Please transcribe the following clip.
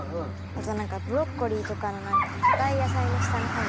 あと何かブロッコリーとかの何か硬い野菜の下の方の芯。